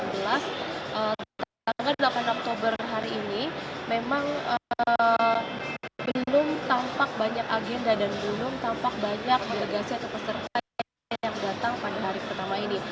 tanggal delapan oktober hari ini memang belum tampak banyak agenda dan belum tampak banyak delegasi atau peserta yang datang pada hari pertama ini